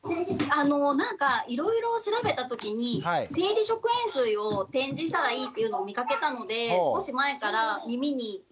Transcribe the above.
いろいろ調べたときに生理食塩水を点耳したらいいというのを見かけたので少し前から耳に入れてます。